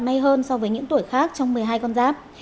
may hơn so với những tuổi khác trong một mươi hai con giáp